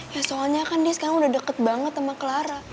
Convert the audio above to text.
ya soalnya kan dia sekarang udah deket banget sama clara